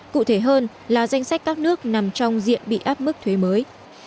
cụ thể hơn là danh sách các nước nằm trong diện bị áp mức thuế mới